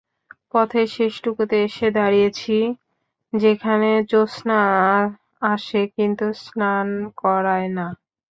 পথের শেষটুকুতে এসে দাঁড়িয়েছি যেখানে জোছনা আসে কিন্তু স্নান করায় না।